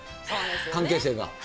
関係性が。